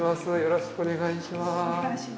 よろしくお願いします。